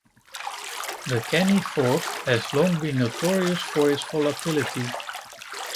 The Caney Fork has long been notorious for its volatility.